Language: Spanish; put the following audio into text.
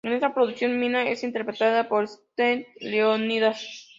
En esta producción Mina es interpretada por Stephanie Leonidas.